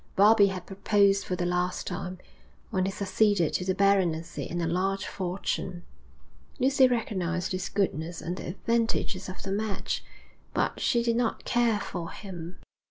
Bobbie had proposed for the last time when he succeeded to the baronetcy and a large fortune. Lucy recognised his goodness and the advantages of the match, but she did not care for him.